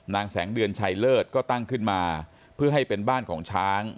แสงเดือนชัยเลิศก็ตั้งขึ้นมาเพื่อให้เป็นบ้านของช้าง